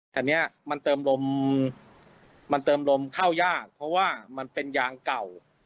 แต่มันเติมลมเข้ายากเพราะว่ามันเป็นยางเก่า